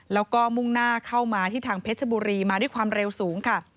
แล้วก็มุ่งหน้าเข้ามาที่ทางเพชรบุรีมาด้วยความเร็วสูงค่ะ